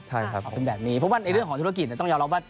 ใช่ครับเป็นแบบนี้เพราะว่าในเรื่องของธุรกิจต้องยอมรับว่า